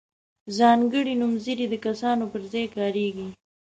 ځانګړي نومځري د کسانو پر ځای کاریږي.